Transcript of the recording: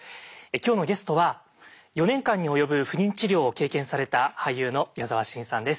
今日のゲストは４年間に及ぶ不妊治療を経験された俳優の矢沢心さんです。